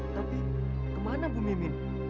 tapi kemana ibu mimin